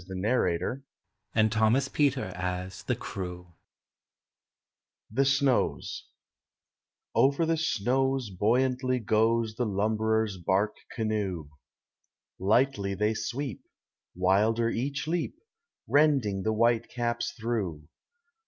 Tin : SNOWS/ Over the Snows Buoyantly goes The lumberers' bark canoe: Lightly they sweep, Wilder each leap, Rending the white caps through.